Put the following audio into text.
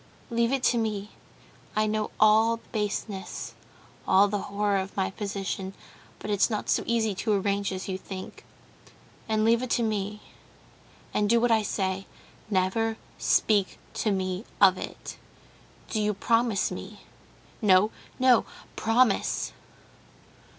Leave it to me. I know all the baseness, all the horror of my position; but it's not so easy to arrange as you think. And leave it to me, and do what I say. Never speak to me of it. Do you promise me?... No, no, promise!..."